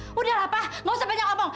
hah udahlah pa nggak usah banyak ngomong